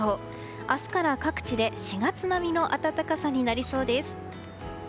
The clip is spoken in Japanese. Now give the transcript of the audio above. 明日から各地で４月並みの暖かさになりそうです。